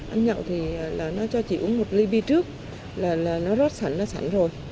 anh nhậu thì là nó cho chị uống một ly bi trước là nó rớt sẵn nó sẵn rồi